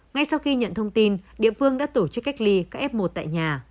ngay sau khi nhận thông tin địa phương đã tổ chức cách ly các f một tại nhà